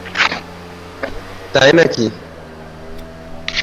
পারিবারিক আইনে মুসলিম, হিন্দু ও খ্রিস্টানদের জন্য আলাদা বিধান রয়েছে।